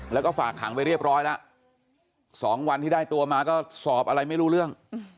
แล้วก็ฝากขังไปเรียบร้อยแล้ว๒วันที่ได้ตัวมาก็สอบอะไรไม่รู้เรื่อง